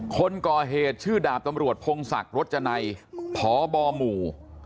คนก่อเหตุชื่อดาบตำรวจพงศักดิ์รจนัยพบหมู่